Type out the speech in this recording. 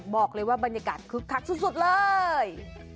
บอกเลยว่าบรรยากาศคึกคักสุดเลย